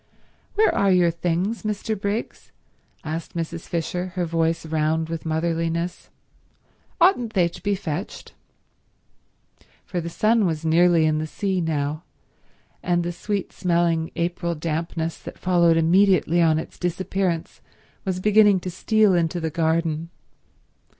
"Where are your things, Mr. Briggs?" asked Mrs. Fisher, her voice round with motherliness. "Oughtn't they to be fetched?" For the sun was nearly in the sea now, and the sweet smelling April dampness that followed immediately on its disappearance was beginning to steal into the garden.